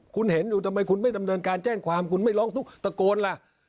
คุณเห็นอยู่ทำไมคุณไม่ดำเนินการแจ้งความคุณไม่ร้องทุกข์ตะโกนล่ะ